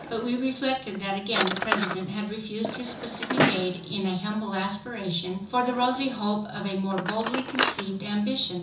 But we reflected that again the President had refused his specific aid in an humble aspiration, for the rosy hope of a more boldly conceived ambition.